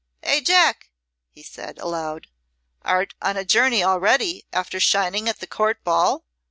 "Eh, Jack!" he said, aloud, "art on a journey already, after shining at the Court ball?"